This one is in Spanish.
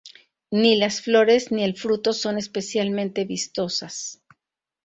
Ni las flores ni el fruto son especialmente vistosas.